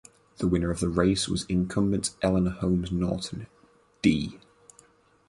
The winner of the race was incumbent Eleanor Holmes Norton (D).